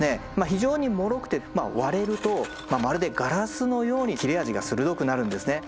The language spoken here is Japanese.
非常にもろくて割れるとまるでガラスのように切れ味が鋭くなるんですね。